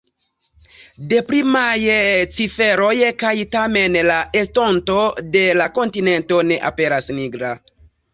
Deprimaj ciferoj, kaj tamen la estonto de l’ kontinento ne aperas nigra.